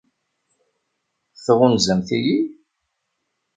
Tɣunzamt-iyi?